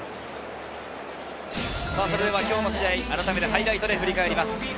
今日の試合、あらためてハイライトで振り返ります。